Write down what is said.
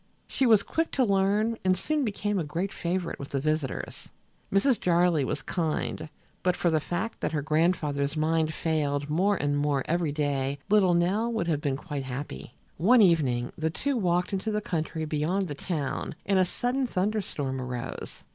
She was quick to learn and soon became a great favorite with the visitors. Mrs. Jarley was kind, and but for the fact that her grandfather's mind failed more and more every day little Nell would have been quite happy. One evening the two walked into the country beyond the town and a sudden thunder storm arose.